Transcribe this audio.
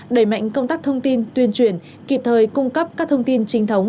đẩy mạnh công tác thông tin tuyên truyền kịp thời cung cấp các thông tin chính thống